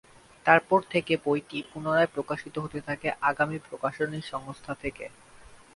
তারপর থেকে বইটি পুনরায় প্রকাশিত হতে থাকে 'আগামী প্রকাশনী' সংস্থা থেকে।